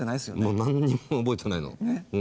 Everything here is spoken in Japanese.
もう何にも覚えてないの。